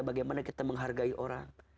bagaimana kita menghargai orang